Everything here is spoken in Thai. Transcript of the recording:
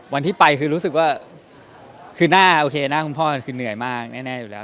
วันที่ไปคือรู้สึกว่าหน้าคุณพ่อเหนื่อยมากแน่อยู่แล้ว